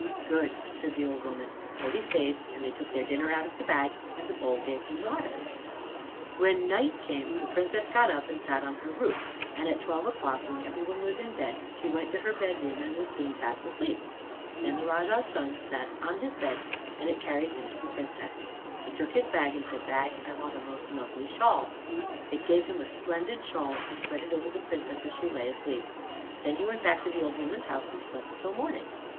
"Good," said the old woman. So he stayed, and they took their dinner out of the bag, and the bowl gave them water. [Illustration: THE PRINCESS LABAM ... SHINES SO THAT SHE LIGHTS UP ALL THE COUNTRY.] When night came the Princess got up and sat on her roof, and at twelve o'clock, when every one was in bed, she went to her bed room, and was soon fast asleep. Then the Rajah's son sat on his bed, and it carried him to the Princess. He took his bag and said, "Bag, I want a most lovely shawl." It gave him a splendid shawl, and he spread it over the Princess as she lay asleep. Then he went back to the old woman's house and slept till morning.